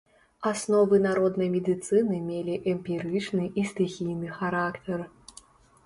Асновы народнай медыцыны мелі эмпірычны і стыхійны характар.